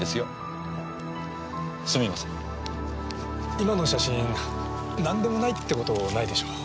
今の写真なんでもないって事ないでしょう？